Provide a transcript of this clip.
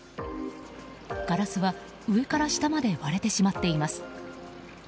ガラスは、上から下まで割れてしまっています。